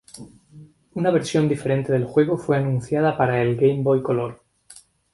Una versión diferente del juego fue anunciado para el Game Boy Color.